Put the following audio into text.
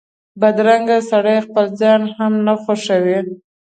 بدرنګه سړی خپل ځان هم نه خوښوي